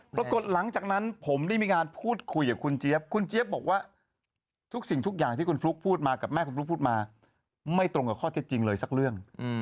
ปรากฏหลังจากนั้นผมได้มีการพูดคุยกับคุณเจี๊ยบคุณเจี๊ยบบอกว่าทุกสิ่งทุกอย่างที่คุณฟลุ๊กพูดมากับแม่คุณฟลุ๊กพูดมาไม่ตรงกับข้อเท็จจริงเลยสักเรื่อง